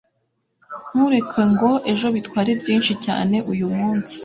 Ntureke ngo ejo bitware byinshi cyane uyumunsi.